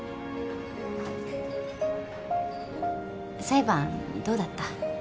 裁判どうだった？